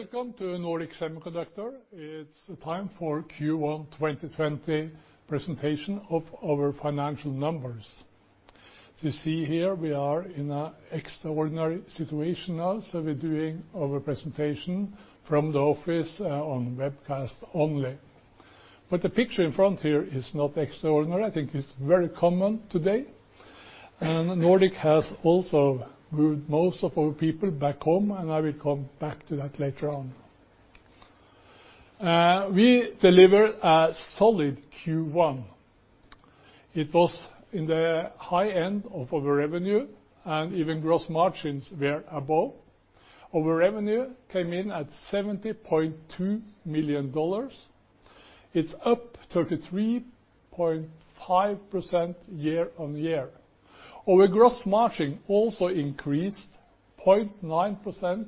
Welcome to Nordic Semiconductor. It's the time for Q1 2020 presentation of our financial numbers. As you see here, we are in an extraordinary situation now, so we're doing our presentation from the office on webcast only. The picture in front here is not extraordinary. I think it's very common today. Nordic has also moved most of our people back home, and I will come back to that later on. We delivered a solid Q1. It was in the high end of our revenue, and even gross margins were above. Our revenue came in at $70.2 million. It's up 33.5% year-over-year. Our gross margin also increased 0.9%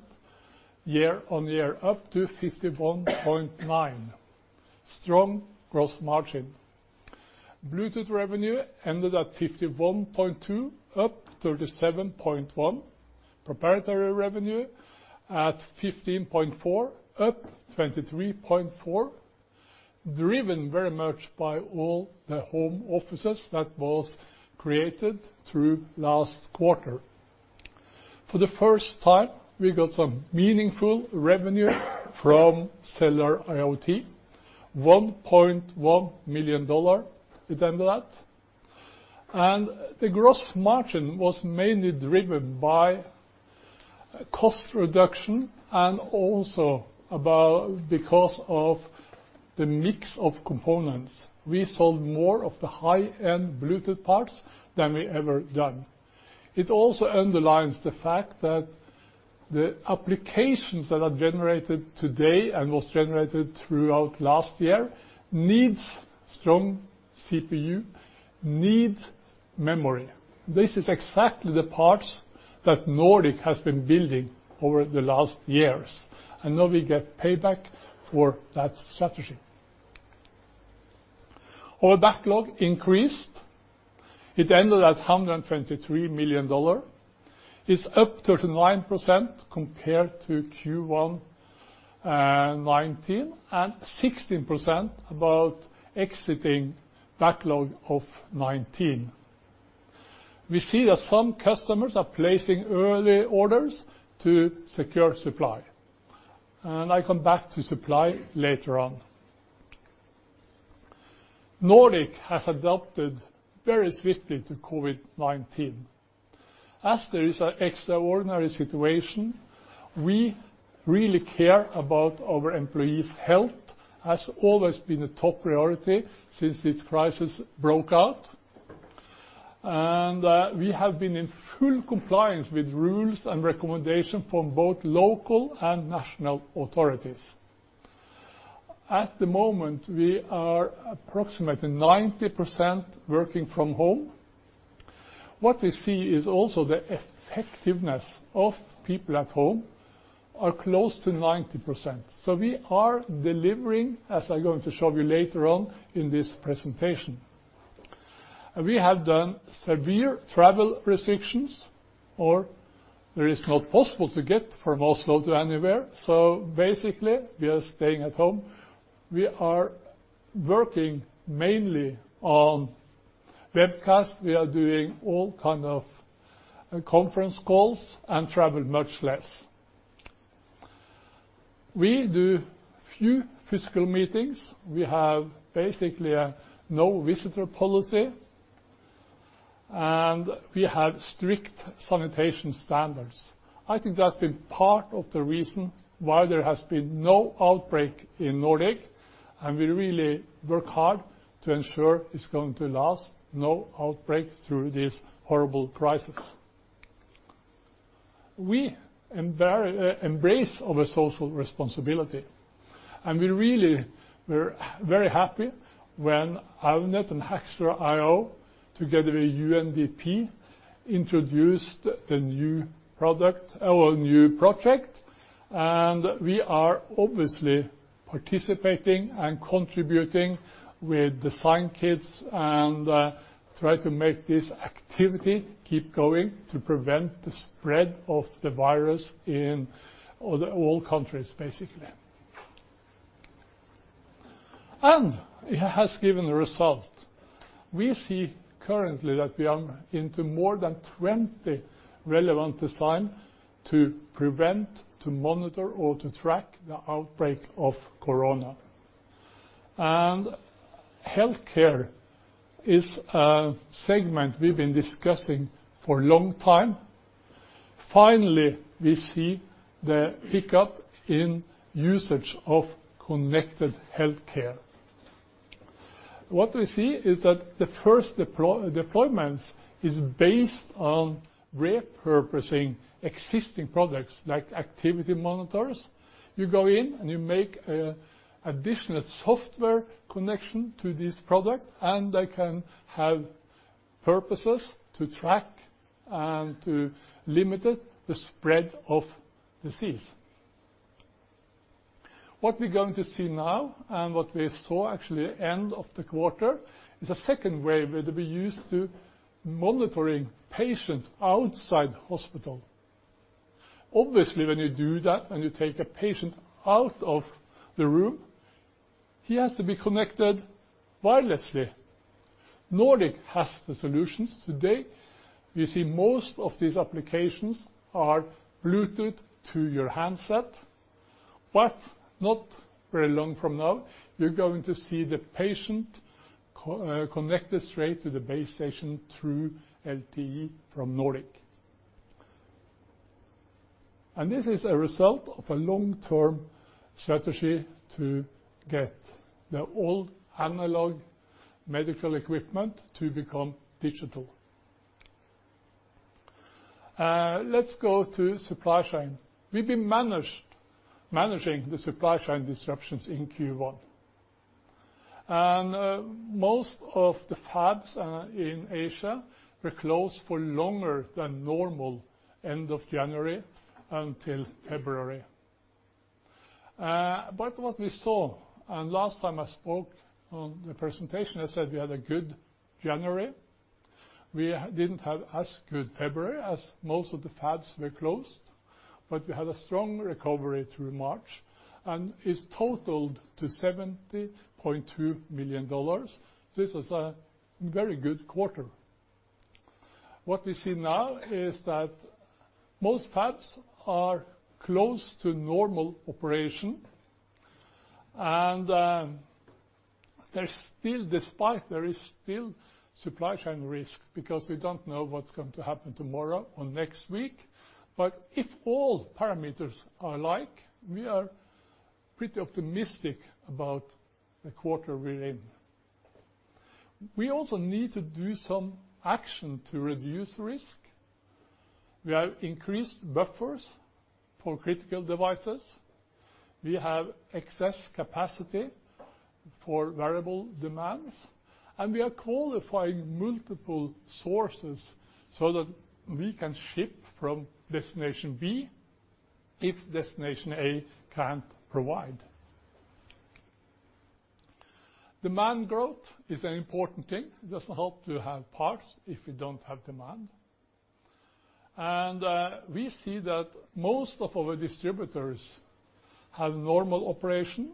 year-over-year, up to 51.9%. Strong gross margin. Bluetooth revenue ended at 51.2%, up 37.1%. Proprietary revenue at 15.4%, up 23.4%, driven very much by all the home offices that was created through last quarter. For the first time, we got some meaningful revenue from Cellular IoT, $1.1 million it end at. The gross margin was mainly driven by cost reduction and also because of the mix of components. We sold more of the high-end Bluetooth parts than we ever done. It also underlines the fact that the applications that are generated today and was generated throughout last year needs strong CPU, needs memory. This is exactly the parts that Nordic has been building over the last years. Now we get payback for that strategy. Our backlog increased. It ended at $123 million. It's up 39% compared to Q1 2019, and 16% about exiting backlog of 19. We see that some customers are placing early orders to secure supply. I come back to supply later on. Nordic has adapted very swiftly to COVID-19. As there is an extraordinary situation, we really care about our employees' health. It has always been a top priority since this crisis broke out. We have been in full compliance with rules and recommendations from both local and national authorities. At the moment, we are approximately 90% working from home. What we see is also the effectiveness of people at home are close to 90%. We are delivering, as I'm going to show you later on in this presentation. We have done severe travel restrictions, or it is not possible to get from Oslo to anywhere, so basically, we are staying at home. We are working mainly on webcast. We are doing all kinds of conference calls and travel much less. We do few physical meetings. We have basically a no visitor policy, and we have strict sanitation standards. I think that's been part of the reason why there has been no outbreak in Nordic, and we really work hard to ensure it's going to last. No outbreak through this horrible crisis. We embrace our social responsibility, and we really were very happy when Avnet and Hackster.io, together with UNDP, introduced a new project, and we are obviously participating and contributing with design kits and try to make this activity keep going to prevent the spread of the virus in all countries, basically. It has given result. We see currently that we are into more than 20 relevant design to prevent, to monitor, or to track the outbreak of COVID-19. Healthcare is a segment we've been discussing for a long time. Finally, we see the pickup in usage of connected healthcare. What we see is that the first deployments is based on repurposing existing products like activity monitors. You go in, and you make additional software connection to this product, and they can have purposes to track and to limited the spread of disease. What we're going to see now, and what we saw actually end of the quarter, is a second wave that we use to monitoring patients outside hospital. Obviously, when you do that and you take a patient out of the room, he has to be connected wirelessly. Nordic has the solutions today. We see most of these applications are Bluetooth to your handset, but not very long from now, you're going to see the patient connected straight to the base station through LTE from Nordic. This is a result of a long-term strategy to get the old analog medical equipment to become digital. Let's go to supply chain. We've been managing the supply chain disruptions in Q1. Most of the fabs in Asia were closed for longer than normal, end of January until February. What we saw, and last time I spoke on the presentation, I said we had a good January. We didn't have as good February, as most of the fabs were closed. We had a strong recovery through March and it's totaled to $70.2 million. This was a very good quarter. What we see now is that most fabs are close to normal operation and there is still supply chain risk because we don't know what's going to happen tomorrow or next week. If all parameters are alike, we are pretty optimistic about the quarter we're in. We also need to do some action to reduce risk. We have increased buffers for critical devices. We have excess capacity for variable demands, and we are qualifying multiple sources so that we can ship from destination B if destination A can't provide. Demand growth is an important thing. It doesn't help to have parts if you don't have demand. We see that most of our distributors have normal operation,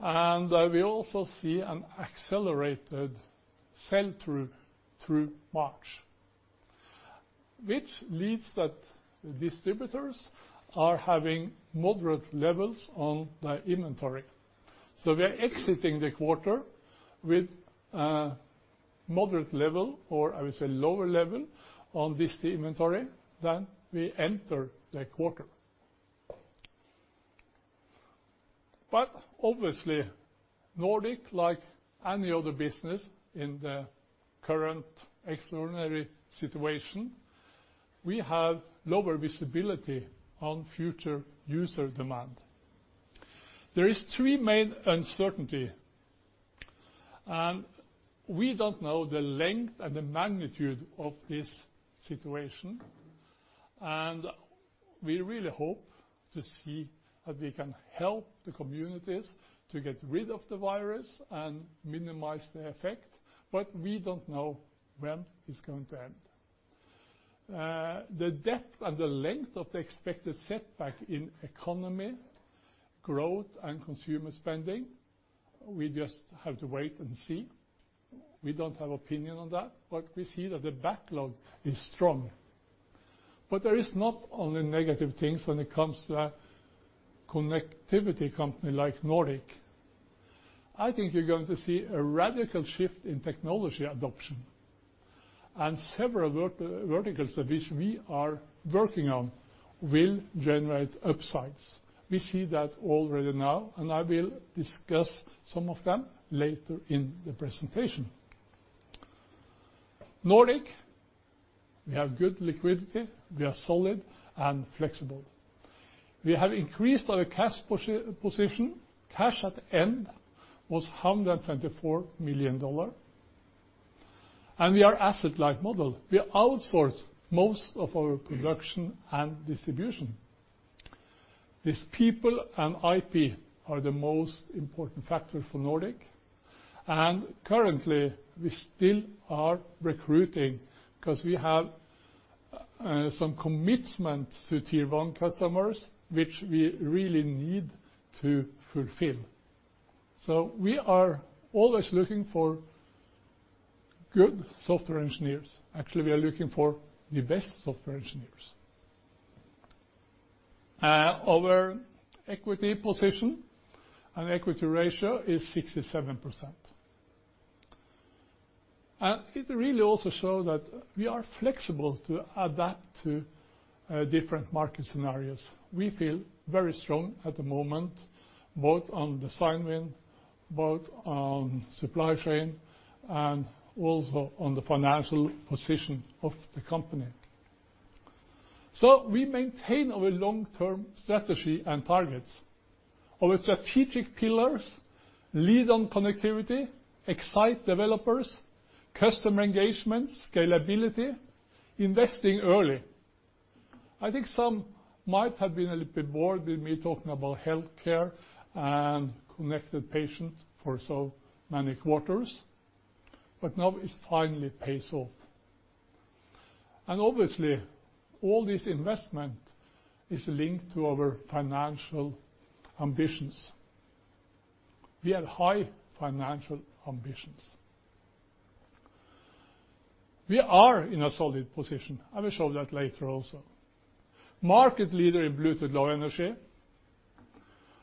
and we also see an accelerated sell-through through March, which leads that distributors are having moderate levels on their inventory. We're exiting the quarter with a moderate level, or I would say lower level on this inventory than we enter the quarter. Obviously, Nordic, like any other business in the current extraordinary situation, we have lower visibility on future user demand. There is three main uncertainty, we don't know the length and the magnitude of this situation, we really hope to see that we can help the communities to get rid of the virus and minimize the effect. We don't know when it's going to end. The depth and the length of the expected setback in economy, growth, and consumer spending, we just have to wait and see. We don't have opinion on that, we see that the backlog is strong. There is not only negative things when it comes to a connectivity company like Nordic. I think you're going to see a radical shift in technology adoption and several verticals of which we are working on will generate upsides. We see that already now, I will discuss some of them later in the presentation. Nordic, we have good liquidity, we are solid and flexible. We have increased our cash position. Cash at the end was $124 million. We are asset-light model. We outsource most of our production and distribution. These people and IP are the most important factor for Nordic, and currently, we still are recruiting because we have some commitment to Tier 1 customers, which we really need to fulfill. We are always looking for good software engineers. Actually, we are looking for the best software engineers. Our equity position and equity ratio is 67%. It really also show that we are flexible to adapt to different market scenarios. We feel very strong at the moment, both on design win, both on supply chain, and also on the financial position of the company. We maintain our long-term strategy and targets. Of the strategic pillars, lead on connectivity, excite developers, customer engagement, scalability, investing early. I think some might have been a little bit bored with me talking about healthcare and connected patient for so many quarters, but now it's finally pays off. Obviously, all this investment is linked to our financial ambitions. We have high financial ambitions. We are in a solid position. I will show that later also. Market leader in Bluetooth Low Energy.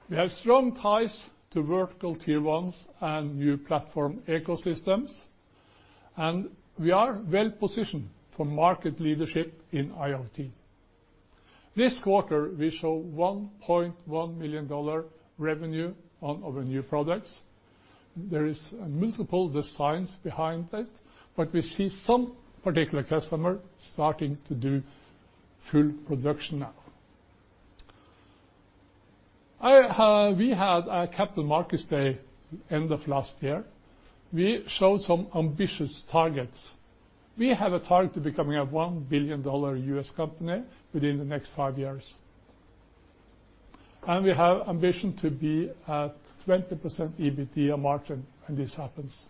We have strong ties to vertical Tier ones and new platform ecosystems, and we are well-positioned for market leadership in IoT. This quarter, we show $1.1 million revenue on our new products. There is multiple designs behind it, but we see some particular customer starting to do full production now. We had a Capital Markets Day end of last year. We showed some ambitious targets. We have a target to becoming a $1 billion US company within the next five years. We have ambition to be at 20% EBITDA margin when this happens.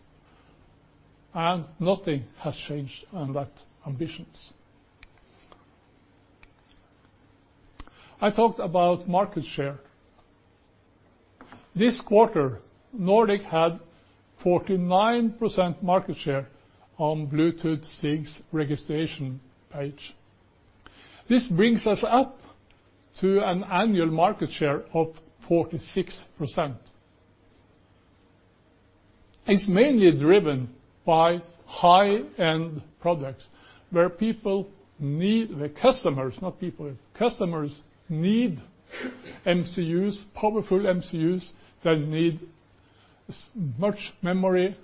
Nothing has changed on that ambitions. I talked about market share. This quarter, Nordic had 49% market share on Bluetooth SIG's registration page. This brings us up to an annual market share of 46%. It's mainly driven by high-end products, where The customers, not people. Customers need MCUs, powerful MCUs. They need much memory.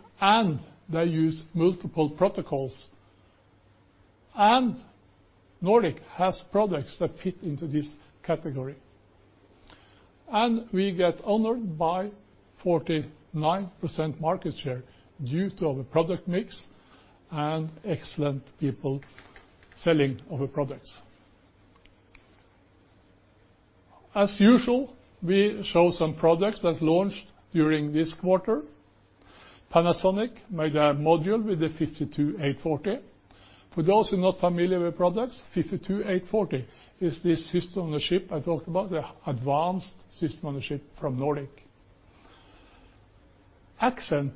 They use multiple protocols. Nordic has products that fit into this category. We get honored by 49% market share due to our product mix and excellent people selling our products. As usual, we show some products that launched during this quarter. Panasonic made a module with the nRF52840. For those who are not familiar with products, nRF52840 is this System-on-Chip I talked about, the advanced System-on-Chip from Nordic. Accent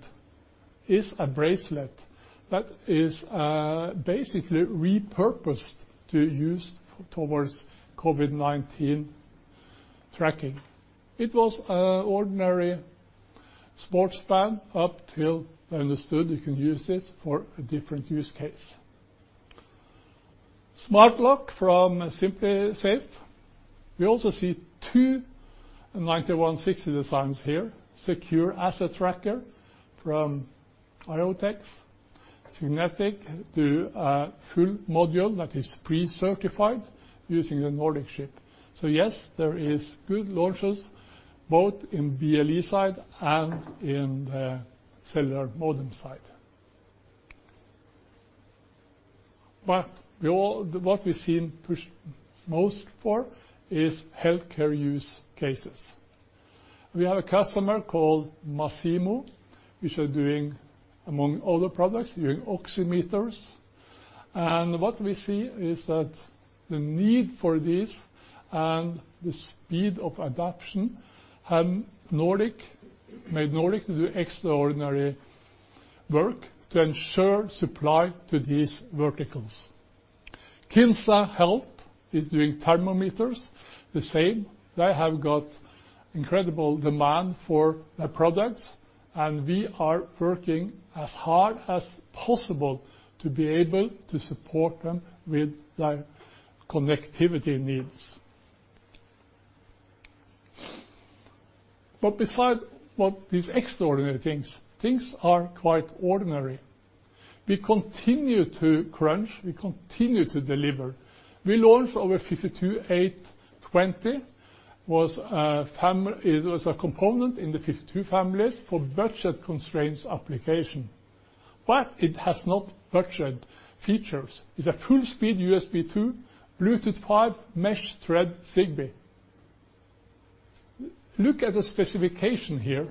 is a bracelet that is basically repurposed to use towards COVID-19 tracking. It was an ordinary sports band up till they understood you can use this for a different use case. Smart lock from SimpliSafe. We also see two nRF9160 designs here. Secure asset tracker from IoTeX. Signetik do a full module that is pre-certified using a Nordic chip. Yes, there is good launches both in BLE side and in the cellular modem side. What we've seen push most for is healthcare use cases. We have a customer called Masimo, which are doing, among other products, doing oximeters. What we see is that the need for this and the speed of adoption made Nordic to do extraordinary work to ensure supply to these verticals. Kinsa Health is doing thermometers. The same. They have got incredible demand for their products, and we are working as hard as possible to be able to support them with their connectivity needs. Besides what these extraordinary things are quite ordinary. We continue to crunch, we continue to deliver. We launched our nRF52820. It was a component in the 52 families for budget constraints application. It has not budget features. It's a full-speed USB2, Bluetooth 5, Mesh, Thread, Zigbee. Look at the specification here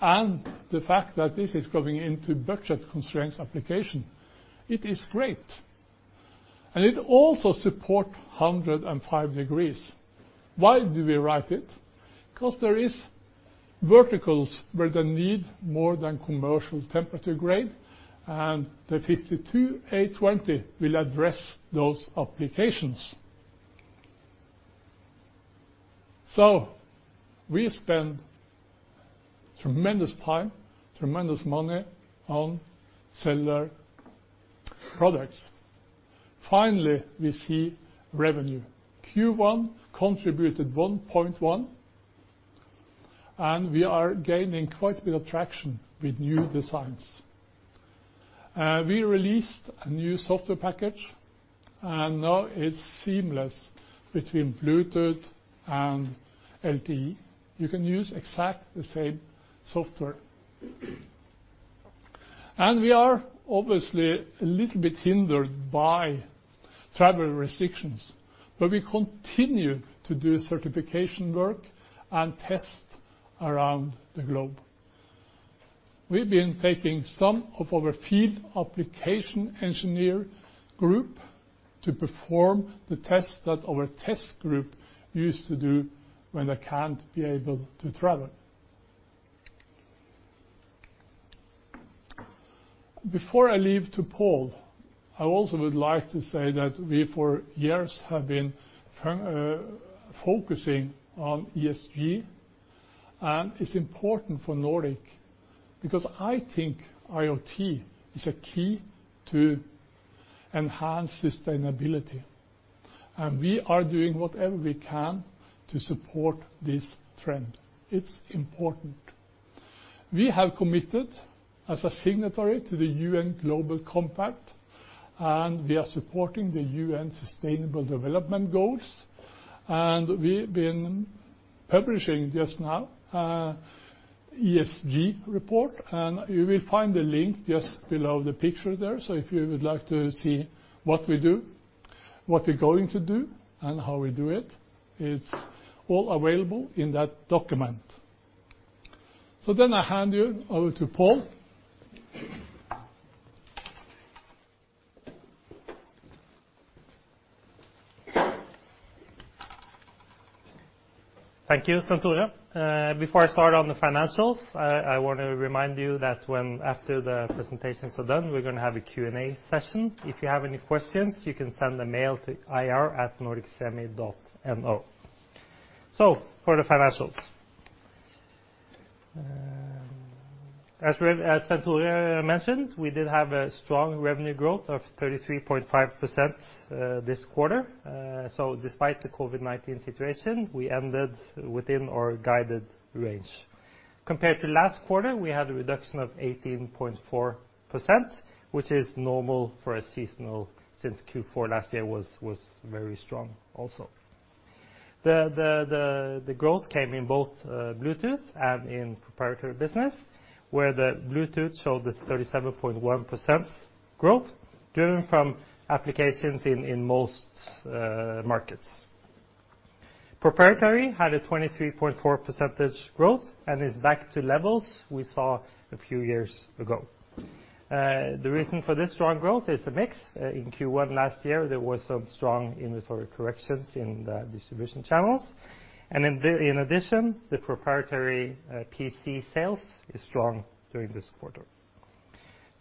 and the fact that this is going into budget constraints application. It is great. It also support 105 degrees. Why do we write it? There is verticals where they need more than commercial temperature grade, and the nRF52820 will address those applications. We spend tremendous time, tremendous money on cellular products. Finally, we see revenue. Q1 contributed $1.1 million, and we are gaining quite a bit of traction with new designs. We released a new software package, and now it's seamless between Bluetooth and LTE. You can use exactly the same software. We are obviously a little bit hindered by travel restrictions, but we continue to do certification work and test around the globe. We've been taking some of our field application engineer group to perform the tests that our test group used to do when they can't be able to travel. Before I leave to Pål, I also would like to say that we, for years, have been focusing on ESG, and it's important for Nordic, because I think IoT is a key to enhance sustainability, and we are doing whatever we can to support this trend. It's important. We have committed as a signatory to the UN Global Compact, we are supporting the UN Sustainable Development Goals, and we've been publishing just now a ESG report, and you will find the link just below the picture there. If you would like to see what we do, what we're going to do, and how we do it's all available in that document. I hand you over to Pål. Thank you, Svenn-Tore. Before I start on the financials, I want to remind you that when after the presentations are done, we are going to have a Q&A session. If you have any questions, you can send a mail to ir@nordicsemi.no. For the financials. As Svenn-Tore mentioned, we did have a strong revenue growth of 33.5% this quarter. Despite the COVID-19 situation, we ended within our guided range. Compared to last quarter, we had a reduction of 18.4%, which is normal for a seasonal, since Q4 last year was very strong also. The growth came in both Bluetooth and in proprietary business, where the Bluetooth showed this 37.1% growth, driven from applications in most markets. Proprietary had a 23.4% growth and is back to levels we saw a few years ago. The reason for this strong growth is the mix. In Q1 last year, there were some strong inventory corrections in the distribution channels, and in addition, the proprietary PC sales is strong during this quarter.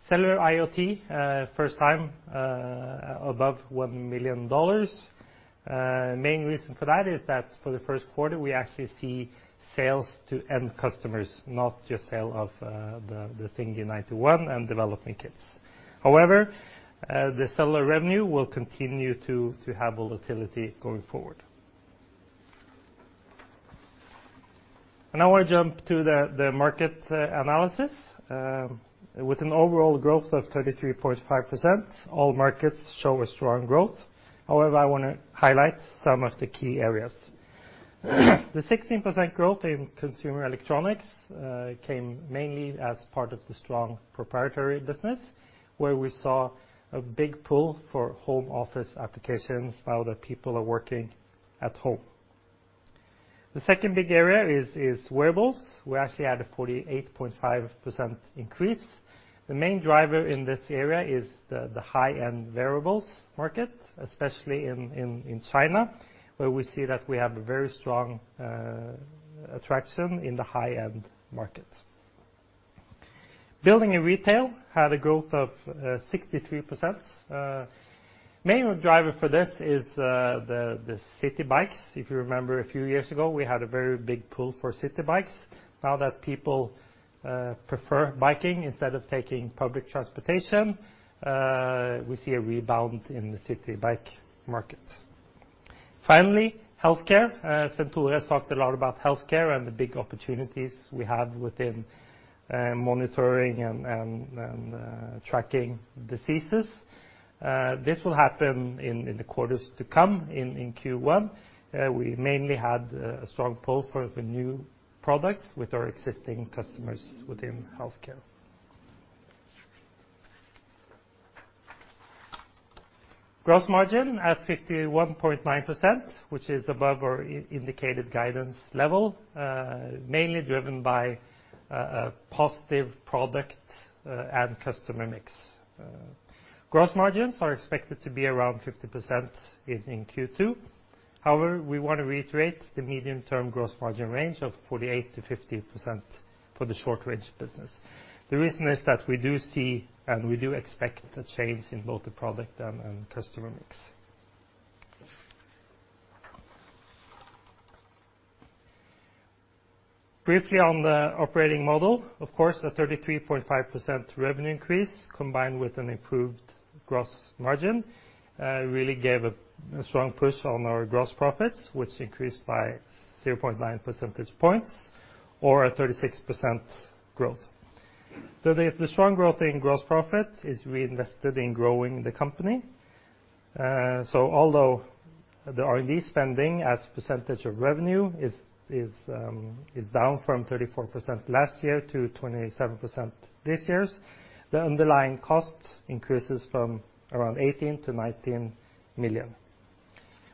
Cellular IoT, first time above $1 million. Main reason for that is that for the first quarter, we actually see sales to end customers, not just sale of the Thingy:91 and development kits. The cellular revenue will continue to have volatility going forward. I want to jump to the market analysis. With an overall growth of 33.5%, all markets show a strong growth. I want to highlight some of the key areas. The 16% growth in consumer electronics came mainly as part of the strong proprietary business, where we saw a big pull for home office applications now that people are working at home. The second big area is wearables. We actually had a 48.5% increase. The main driver in this area is the high-end wearables market, especially in China, where we see that we have a very strong attraction in the high-end market. Building and retail had a growth of 63%. Main driver for this is the city bikes. If you remember, a few years ago, we had a very big pull for city bikes. Now that people prefer biking instead of taking public transportation, we see a rebound in the city bike market. Finally, healthcare. Svenn-Tore has talked a lot about healthcare and the big opportunities we have within monitoring and tracking diseases. This will happen in the quarters to come. In Q1, we mainly had a strong pull for the new products with our existing customers within healthcare. Gross margin at 51.9%, which is above our indicated guidance level, mainly driven by a positive product and customer mix. Gross margins are expected to be around 50% in Q2. However, we want to reiterate the medium-term gross margin range of 48%-50% for the short-range business. The reason is that we do see and we do expect a change in both the product and customer mix. Briefly on the operating model, of course, a 33.5% revenue increase combined with an improved gross margin really gave a strong push on our gross profits, which increased by 0.9 percentage points or a 36% growth. The strong growth in gross profit is reinvested in growing the company. Although the R&D spending as percentage of revenue is down from 34% last year to 27% this year's, the underlying cost increases from around $18 million-$19 million.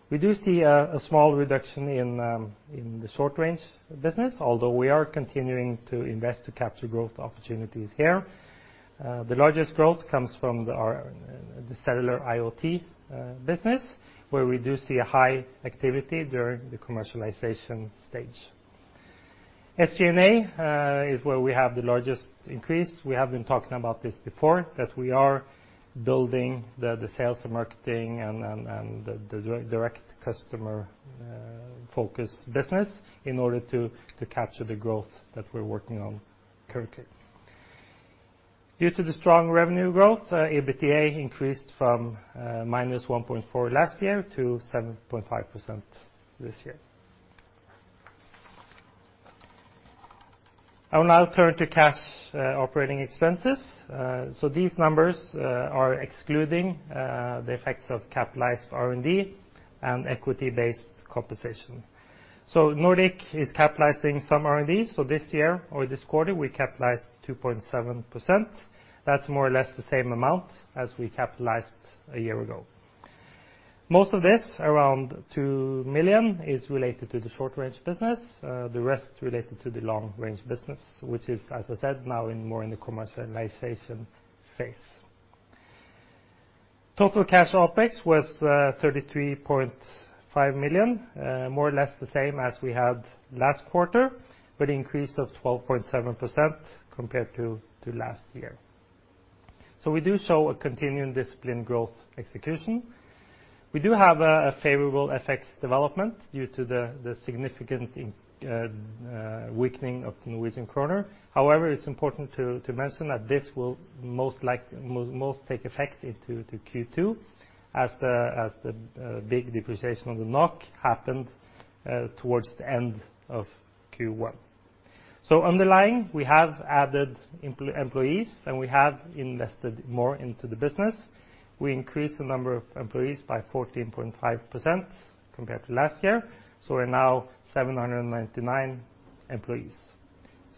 We do see a small reduction in the short-range business, although we are continuing to invest to capture growth opportunities here. The largest growth comes from the Cellular IoT business, where we do see a high activity during the commercialization stage. SG&A is where we have the largest increase. We have been talking about this before, that we are building the sales and marketing and the direct customer-focused business in order to capture the growth that we're working on currently. Due to the strong revenue growth, EBITDA increased from -1.4% last year to 7.5% this year. I will now turn to cash operating expenses. These numbers are excluding the effects of capitalized R&D and equity-based compensation. Nordic is capitalizing some R&D. This year or this quarter, we capitalized 2.7%. That's more or less the same amount as we capitalized a year ago. Most of this, around $2 million, is related to the short-range business, the rest related to the long-range business, which is, as I said, now in more in the commercialization phase. Total cash OpEx was $33.5 million, more or less the same as we had last quarter, but increase of 12.7% compared to last year. We do show a continuing disciplined growth execution. We do have a favorable effects development due to the significant weakening of the NOK. However, it's important to mention that this will most take effect into the Q2 as the big depreciation of the NOK happened towards the end of Q1. Underlying, we have added employees, and we have invested more into the business. We increased the number of employees by 14.5% compared to last year, so we're now 799 employees.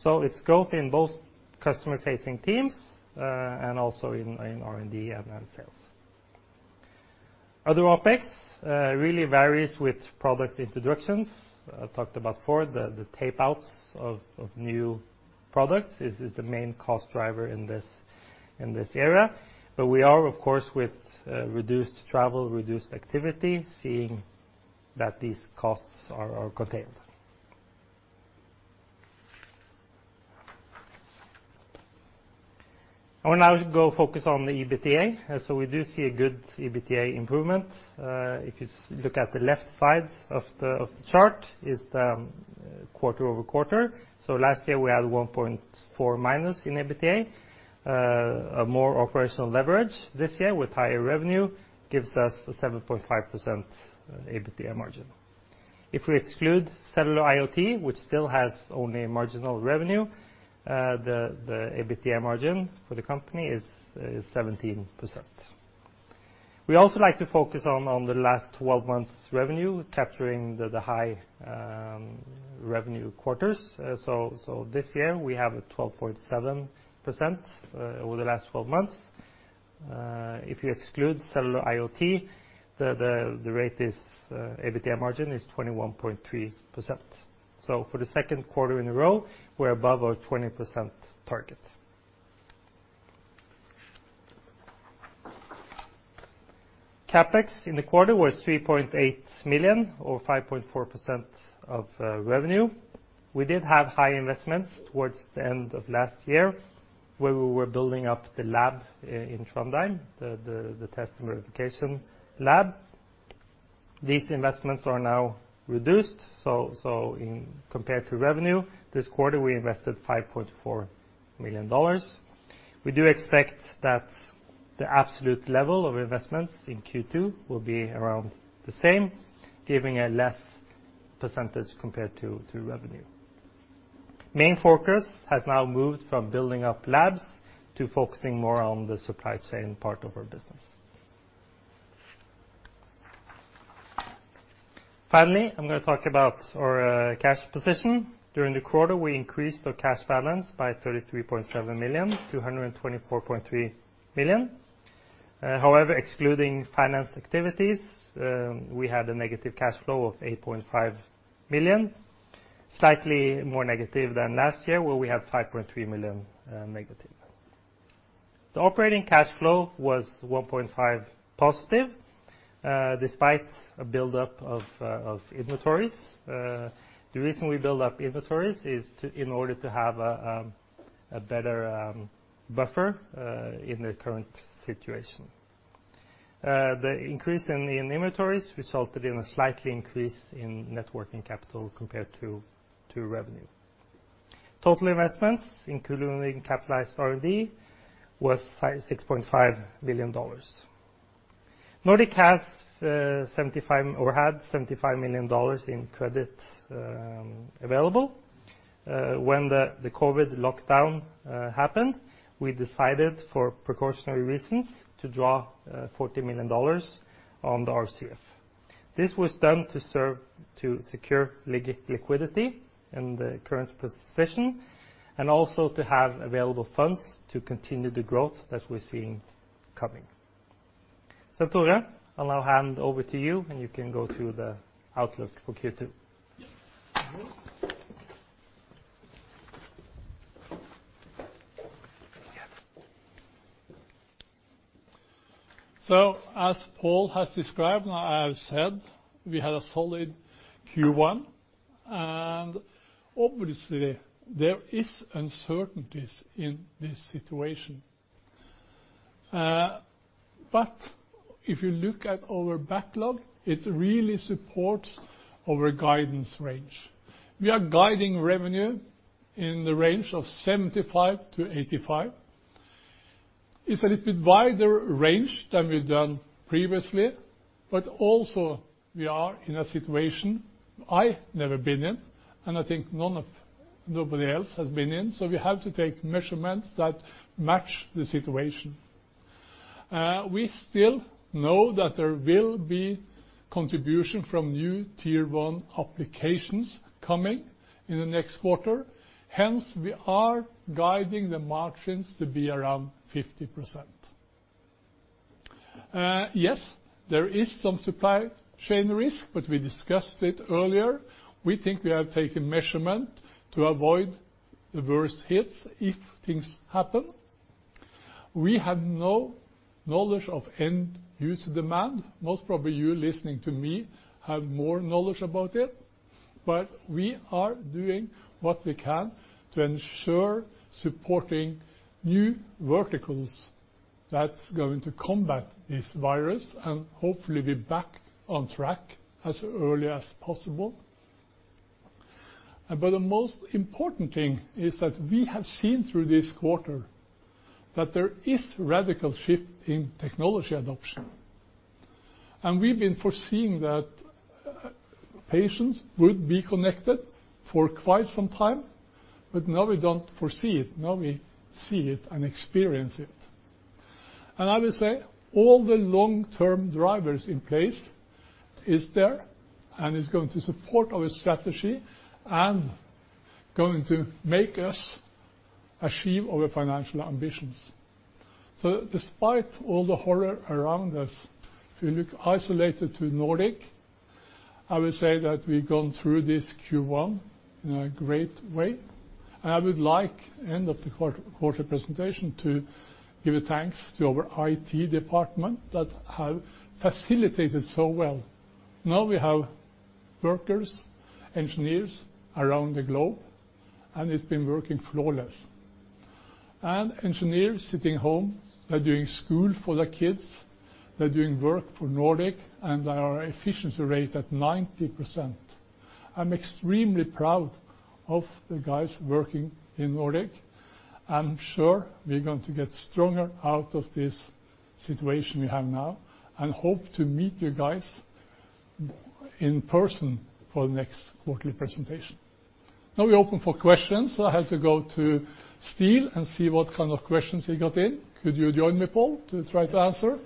It's growth in both customer-facing teams, and also in R&D and then sales. Other OpEx really varies with product introductions. I talked about before the tapeouts of new products is the main cost driver in this area. We are, of course, with reduced travel, reduced activity, seeing that these costs are contained. I will now go focus on the EBITDA. We do see a good EBITDA improvement. If you look at the left side of the chart, is the quarter-over-quarter. Last year, we had -1.4% in EBITDA. A more operational leverage this year with higher revenue gives us a 7.5% EBITDA margin. If we exclude cellular IoT, which still has only marginal revenue, the EBITDA margin for the company is 17%. We also like to focus on the last 12 months revenue, capturing the high revenue quarters. This year, we have a 12.7% over the last 12 months. If you exclude Cellular IoT, EBITDA margin is 21.3%. For the second quarter in a row, we're above our 20% target. CapEx in the quarter was $3.8 million or 5.4% of revenue. We did have high investments towards the end of last year, where we were building up the lab in Trondheim, the test and verification lab. These investments are now reduced, so compared to revenue this quarter, we invested $5.4 million. We do expect that the absolute level of investments in Q2 will be around the same, giving a less percentage compared to revenue. Main focus has now moved from building up labs to focusing more on the supply chain part of our business. Finally, I'm going to talk about our cash position. During the quarter, we increased our cash balance by $33.7 million to $124.3 million. However, excluding finance activities, we had a negative cash flow of $8.5 million, slightly more negative than last year, where we had $5.3 million negative. The operating cash flow was $1.5 positive, despite a buildup of inventories. The reason we build up inventories is in order to have a better buffer in the current situation. The increase in inventories resulted in a slight increase in net working capital compared to revenue. Total investments, including capitalized R&D, was $6.5 billion. Nordic has 75 or had $75 million in credit available. When the COVID-19 lockdown happened, we decided for precautionary reasons to draw $40 million on the RCF. This was done to serve to secure liquidity in the current position, and also to have available funds to continue the growth that we're seeing coming. Svenn-Tore, I'll now hand over to you, and you can go through the outlook for Q2. As Pål has described, and I have said, we had a solid Q1, and obviously there is uncertainties in this situation. If you look at our backlog, it really supports our guidance range. We are guiding revenue in the range of $75-$85. It's a little bit wider range than we've done previously, also we are in a situation I never been in, and I think nobody else has been in, so we have to take measures that match the situation. We still know that there will be contribution from new Tier 1 applications coming in the next quarter, hence, we are guiding the margins to be around 50%. Yes, there is some supply chain risk, we discussed it earlier. We think we have taken measures to avoid the worst hits if things happen. We have no knowledge of end use demand. Most probably you listening to me have more knowledge about it, we are doing what we can to ensure supporting new verticals that's going to combat this virus and hopefully be back on track as early as possible. The most important thing is that we have seen through this quarter that there is radical shift in technology adoption. We've been foreseeing that patients would be connected for quite some time, but now we don't foresee it. Now we see it and experience it. I will say all the long-term drivers in place is there, and it's going to support our strategy and going to make us achieve our financial ambitions. Despite all the horror around us, if you look isolated to Nordic, I will say that we've gone through this Q1 in a great way, and I would like end of the quarter presentation to give a thanks to our IT department that have facilitated so well. We have workers, engineers around the globe, and it's been working flawless. Engineers sitting home, they're doing school for their kids, they're doing work for Nordic, and our efficiency rate at 90%. I'm extremely proud of the guys working in Nordic. I'm sure we're going to get stronger out of this situation we have now and hope to meet you guys in person for the next quarterly presentation. We open for questions, I have to go to Ståle and see what kind of questions we got in. Could you join me, Pål, to try to answer?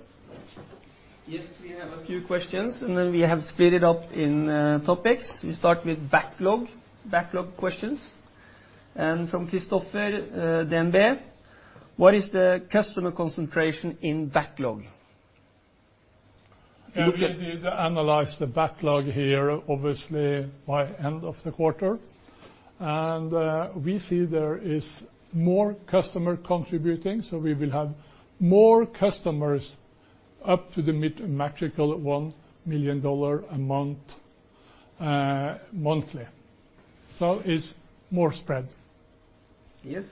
Yes, we have a few questions, and then we have split it up in topics. We start with backlog questions, and from Christoffer, DNB, what is the customer concentration in backlog? Yeah, we did analyze the backlog here, obviously by end of the quarter. We see there is more customer contributing, so we will have more customers up to the magical $1 million a month, monthly. It's more spread. Yes.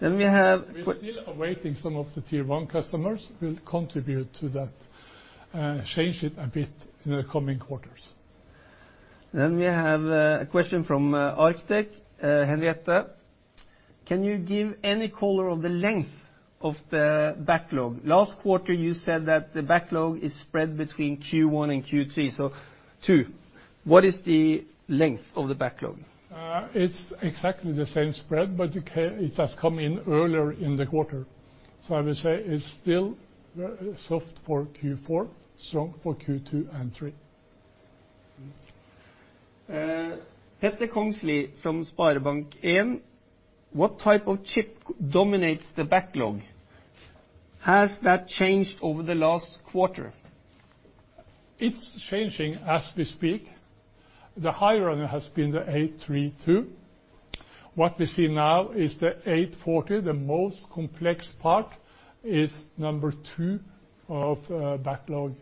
We're still awaiting some of the Tier 1 customers will contribute to that, change it a bit in the coming quarters. We have a question from Arctic, Henriette, can you give any color on the length of the backlog? Last quarter you said that the backlog is spread between Q1 and Q2, what is the length of the backlog? It's exactly the same spread, but it has come in earlier in the quarter. I would say it's still soft for Q4, strong for Q2 and three. Petter Kongslie from SpareBank 1, what type of chip dominates the backlog? Has that changed over the last quarter? It's changing as we speak. The high runner has been the nRF52832. What we see now is the 840, the most complex part, is number two of backlog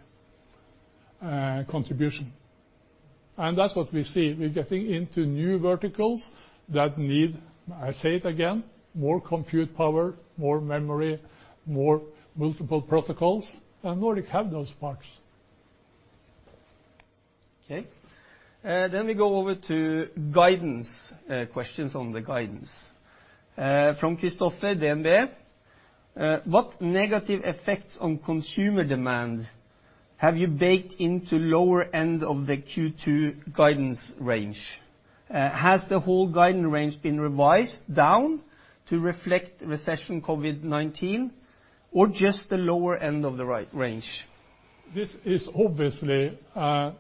contribution. That's what we see. We're getting into new verticals that need, I say it again, more compute power, more memory, more multiple protocols, and Nordic have those parts. Okay. We go over to guidance, questions on the guidance. From Christoffer at DNB. What negative effects on consumer demand have you baked into lower end of the Q2 guidance range? Has the whole guidance range been revised down to reflect recession COVID-19 or just the lower end of the range? This is obviously a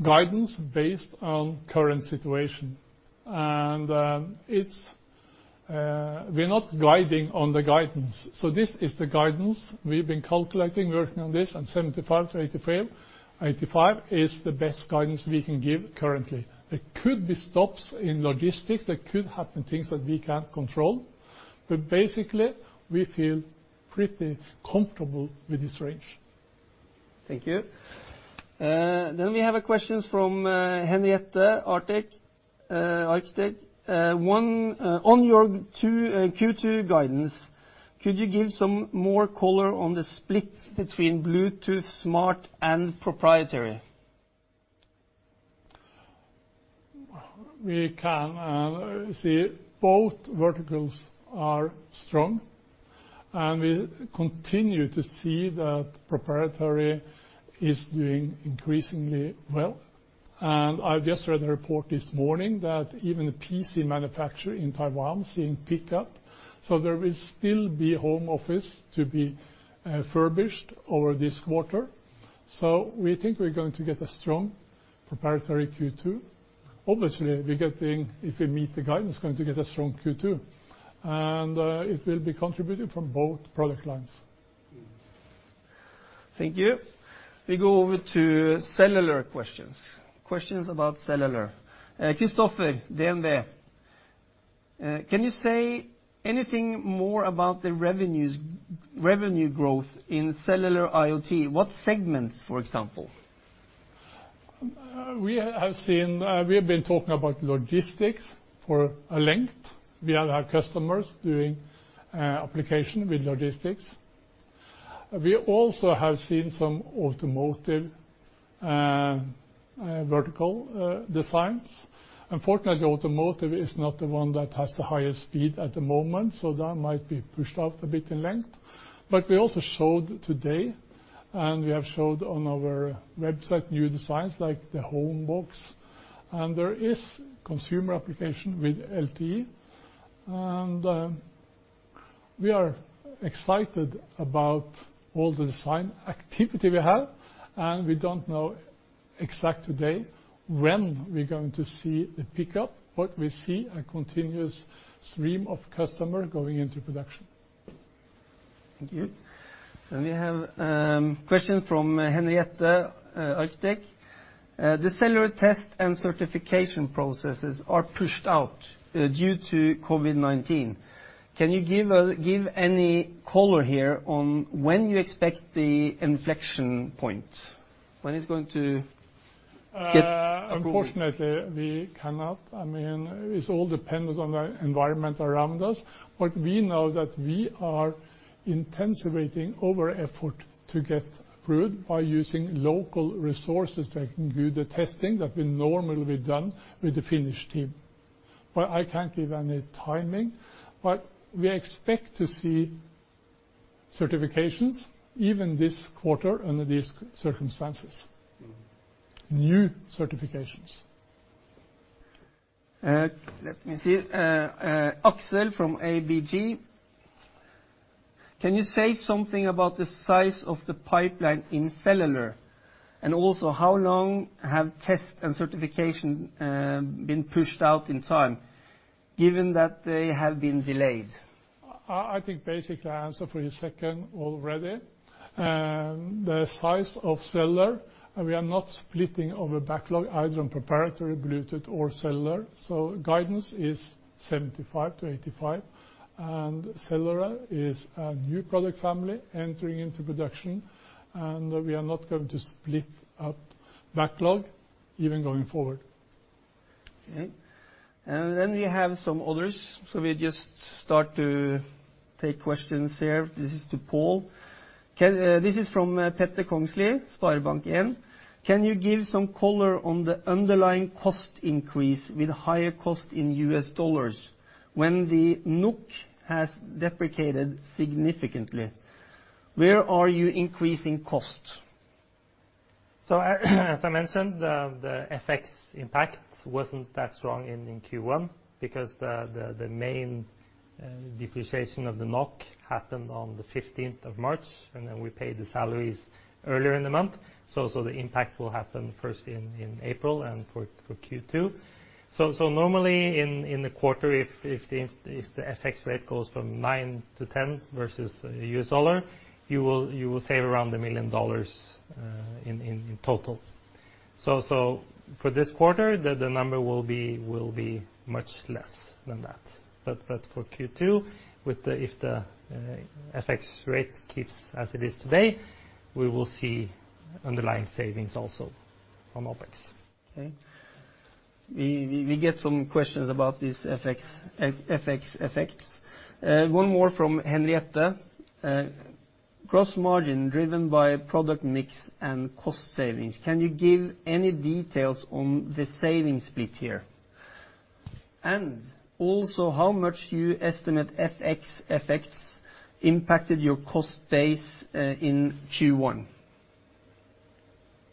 guidance based on current situation. We're not guiding on the guidance. This is the guidance we've been calculating, working on this, and 75%-85% is the best guidance we can give currently. There could be stops in logistics. There could happen things that we can't control. Basically, we feel pretty comfortable with this range. Thank you. We have questions from Henriette, Arctic Securities. On your two Q2 guidance, could you give some more color on the split between Bluetooth Smart and proprietary? See, both verticals are strong. We continue to see that proprietary is doing increasingly well. I've just read the report this morning that even the PC manufacturer in Taiwan is seeing pickup. There will still be home office to be furbished over this quarter. We think we're going to get a strong proprietary Q2. Obviously, if we meet the guidance, we are going to get a strong Q2, and it will be contributed from both product lines. Thank you. We go over to cellular questions. Questions about cellular. Christoffer, DNB. Can you say anything more about the revenue growth in Cellular IoT? What segments, for example? We have been talking about logistics for a length. We have our customers doing application with logistics. We also have seen some automotive vertical designs. Unfortunately, automotive is not the one that has the highest speed at the moment, so that might be pushed out a bit in length. We also showed today, and we have showed on our website, new designs like the HomeBox, and there is consumer application with LTE. We are excited about all the design activity we have, and we don't know exact today when we're going to see the pickup, but we see a continuous stream of customer going into production. Thank you. We have question from Henriette, Arctic. The cellular test and certification processes are pushed out due to COVID-19. Can you give any color here on when you expect the inflection point? When it's going to get approved? Unfortunately, we cannot. It all depends on the environment around us. We know that we are intensifying our effort to get through it by using local resources that can do the testing that will normally be done with the Finnish team. I can't give any timing. We expect to see certifications even this quarter under these circumstances. New certifications. Let me see. Aksel from ABG. Can you say something about the size of the pipeline in cellular? How long have tests and certification been pushed out in time, given that they have been delayed? I think basically I answered for you second already. The size of cellular, and we are not splitting over backlog either on proprietary, Bluetooth, or cellular. Guidance is 75 to 85, and cellular is a new product family entering into production, and we are not going to split out backlog even going forward. Okay. Then we have some others. We just start to take questions here. This is to Pål. This is from Petter Kongslie, SpareBank 1. Can you give some color on the underlying cost increase with higher cost in U.S. dollars when the NOK has depreciated significantly? Where are you increasing cost? As I mentioned, the FX impact wasn't that strong in Q1 because the main depreciation of the NOK happened on the 15th of March, then we paid the salaries earlier in the month. Normally in the quarter, if the FX rate goes from nine to 10 versus U.S. dollar, you will save around $1 million in total. For this quarter, the number will be much less than that. For Q2, if the FX rate keeps as it is today, we will see underlying savings also on OpEx. Okay. We get some questions about these FX effects. One more from Henriette. Gross margin driven by product mix and cost savings. Can you give any details on the savings bit here? How much you estimate FX effects impacted your cost base in Q1?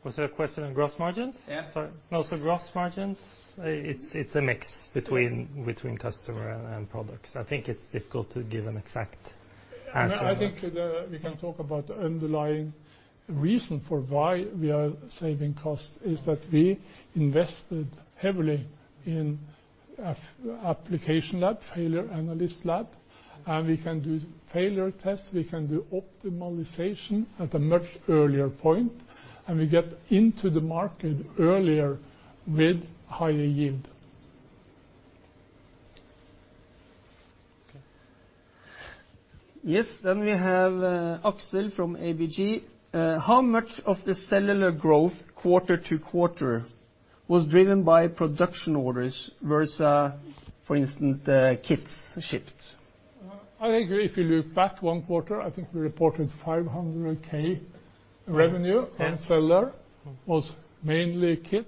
Was there a question on gross margins? Yeah. Sorry. Gross margins, it's a mix between customer and products. I think it's difficult to give an exact answer. I think we can talk about the underlying reason for why we are saving costs is that we invested heavily in application lab, failure analysis lab, and we can do failure test, we can do optimization at a much earlier point, and we get into the market earlier with higher yield. Okay. Yes, we have Aksel from ABG. How much of the cellular growth quarter-to-quarter was driven by production orders versus, for instance, kits shipped? I think if you look back one quarter, I think we reported $500,000 revenue and Cellular IoT was mainly kit.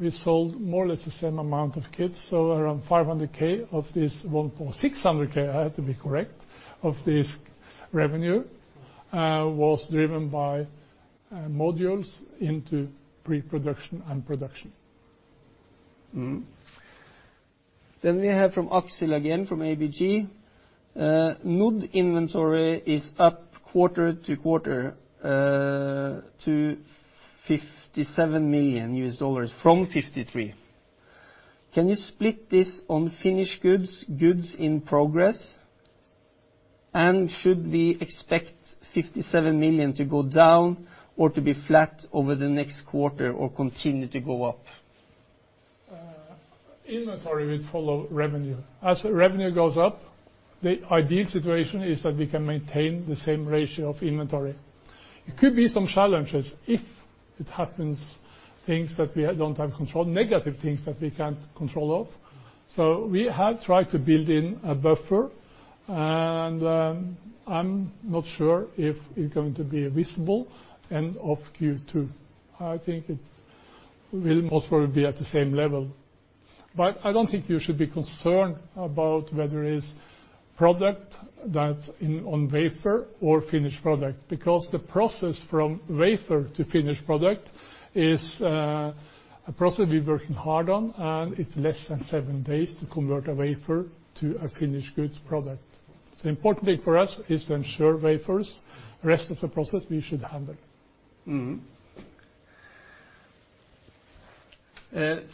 We sold more or less the same amount of kits, so around $500,000 of this $600,000, I have to be correct, of this revenue, was driven by modules into pre-production and production. We have from Aksel again, from ABG. Nordic inventory is up quarter-to-quarter to $57 million from $53. Can you split this on finished goods in progress? Should we expect $57 million to go down or to be flat over the next quarter or continue to go up? Inventory will follow revenue. As revenue goes up, the ideal situation is that we can maintain the same ratio of inventory. It could be some challenges if it happens, things that we don't have control, negative things that we can't control of. We have tried to build in a buffer, and I'm not sure if it's going to be visible end of Q2. I think it will most probably be at the same level. I don't think you should be concerned about whether it's product that's on wafer or finished product, because the process from wafer to finished product is a process we're working hard on, and it's less than seven days to convert a wafer to a finished goods product. Importantly for us is to ensure wafers, the rest of the process we should handle.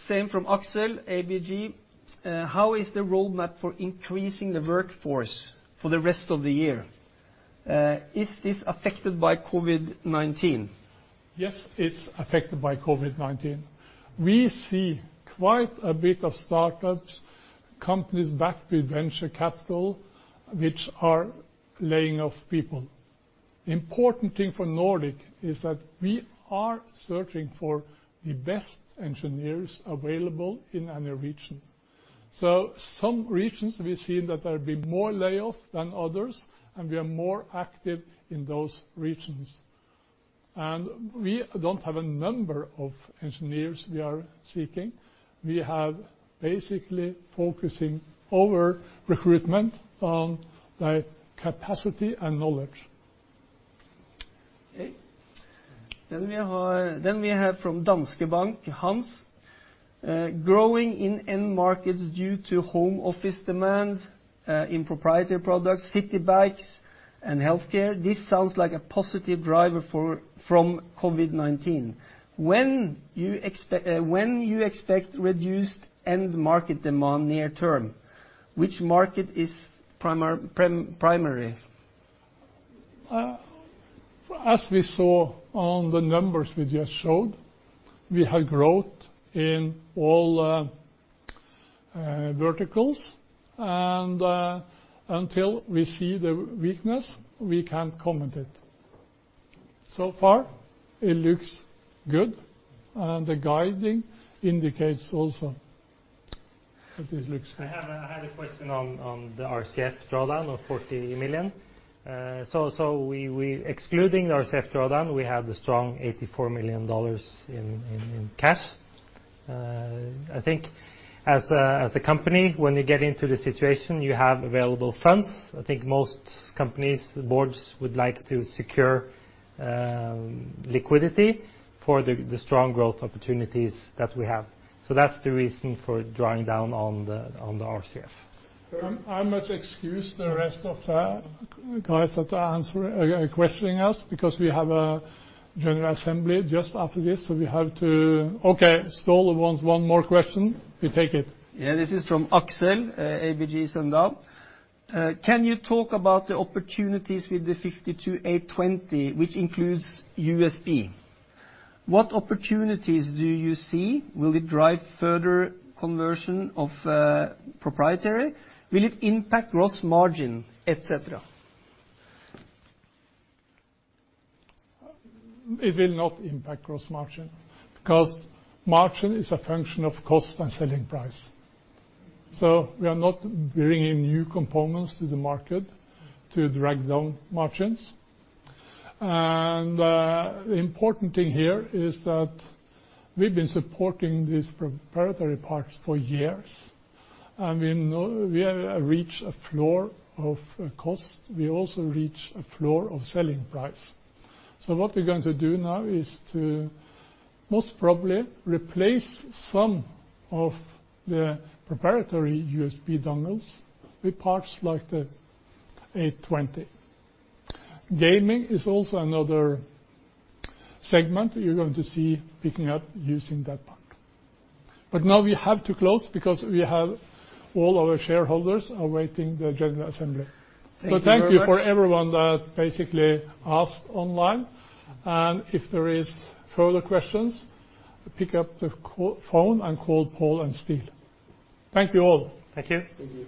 Same from Aksel, ABG. How is the roadmap for increasing the workforce for the rest of the year? Is this affected by COVID-19? Yes, it's affected by COVID-19. We see quite a bit of startups, companies backed with venture capital, which are laying off people. The important thing for Nordic is that we are searching for the best engineers available in any region. Some regions we've seen that there have been more layoff than others, and we are more active in those regions. We don't have a number of engineers we are seeking. We have basically focusing our recruitment on the capacity and knowledge. Okay. We have from Danske Bank, Hans. Growing in end markets due to home office demand in proprietary products, city bikes and healthcare, this sounds like a positive driver from COVID-19. When you expect reduced end market demand near term, which market is primary? As we saw on the numbers we just showed, we had growth in all verticals. Until we see the weakness, we can't comment it. So far it looks good. The guiding indicates also. I have a question on the RCF drawdown of $40 million. Excluding the RCF drawdown, we have the strong $84 million in cash. I think as a company, when you get into the situation, you have available funds. I think most companies, the boards would like to secure liquidity for the strong growth opportunities that we have. That's the reason for drawing down on the RCF. I must excuse the rest of the guys that are questioning us because we have a general assembly just after this. Okay, Ståle wants one more question. We take it. Yeah, this is from Aksel, ABG Sundal. Can you talk about the opportunities with the nRF52820, which includes USB? What opportunities do you see? Will it drive further conversion of proprietary? Will it impact gross margin, et cetera? It will not impact gross margin because margin is a function of cost and selling price. We are not bringing new components to the market to drag down margins. The important thing here is that we've been supporting these proprietary parts for years, and we have reached a floor of cost. We also reach a floor of selling price. What we're going to do now is to most probably replace some of the proprietary USB dongles with parts like the nRF52820. Gaming is also another segment you're going to see picking up using that one. Now we have to close because we have all our shareholders awaiting the general assembly. Thank you very much. Thank you for everyone that basically asked online. If there is further questions, pick up the phone and call Pål and Ståle. Thank you all. Thank you.